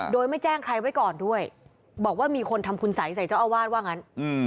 โดยไม่แจ้งใครไว้ก่อนด้วยบอกว่ามีคนทำคุณสัยใส่เจ้าอาวาสว่างั้น